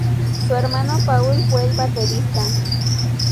Su hermano Paul fue el baterista.